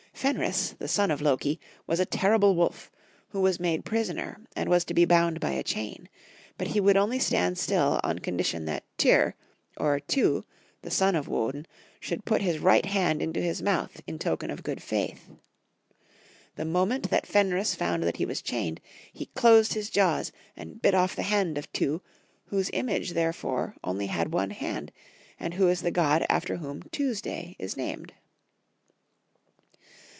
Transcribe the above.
Fenris, the son of Loki, was a terrible wolf, who was made prisoner and was to be bound by a chain ; but he would only stand still on condition that Tyr or Tiw, the son of Woden, should put his right hand into his mouth in token of good faith. The moment that Fenris found that he was chained, he closed his jaws and bit off the hand of Tiw, whose image therefore only had one hand, and who is the god after whom Tuesday is named.